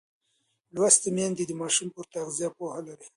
لوستې میندې د ماشوم پر تغذیه پوهه لري.